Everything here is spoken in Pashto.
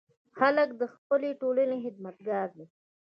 هلک د خپلې ټولنې خدمتګار دی.